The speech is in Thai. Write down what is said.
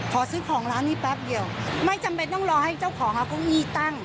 ขอซื้อของร้านนี้แป๊บเดียวไม่จำเป็นต้องรอให้เจ้าของเอาเก้าอี้ตั้ง